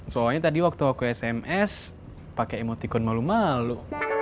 soalnya tadi waktu aku sms pakai emotikon malu malu